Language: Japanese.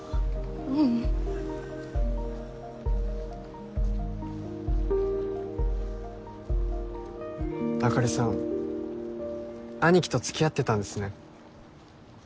ううんあかりさん兄貴と付き合ってたんですね